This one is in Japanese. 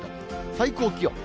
最高気温。